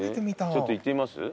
ちょっと行ってみます？